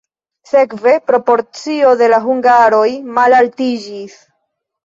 Sekve proporcio de la hungaroj malaltiĝis.